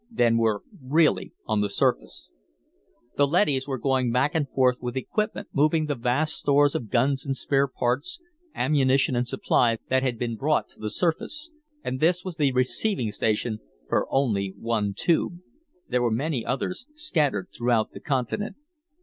"Then we're really on the surface." The leadys were going back and forth with equipment moving the vast stores of guns and spare parts, ammunition and supplies that had been brought to the surface. And this was the receiving station for only one Tube; there were many others, scattered throughout the continent.